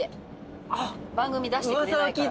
番組出してくれないから。